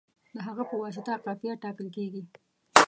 د هغه په واسطه قافیه ټاکل کیږي.